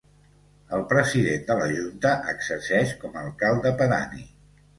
El president de la Junta exerceix com a alcalde pedani.